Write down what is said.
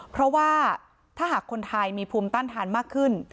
เพราะว่าถ้าหากคนไทยมีภูมิต้านทานมากขึ้น